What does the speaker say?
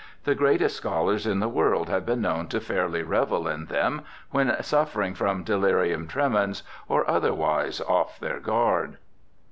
The greatest scholars in the world have been known to fairly revel in them when suffering from delirium tremens, or otherwise off their guard.